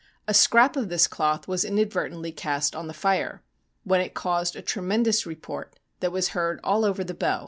A scrap of this cloth was inadvertently cast on tho fire, when it caused a tremendous report that was heard all over the Bow.